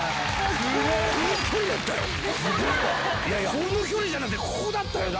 この距離じゃなくてここだったよ！